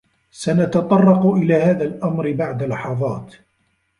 سنتطرق إلى هذا الأمر بعد لحظات.